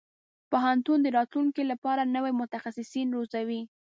پوهنتون د راتلونکي لپاره نوي متخصصين روزي.